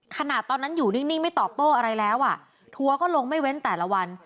ขนาดตอนนั้นอยู่นิ่งไม่ตอบโต้อะไรแล้วอ่ะทัวร์ก็ลงไม่เว้นแต่ละวัน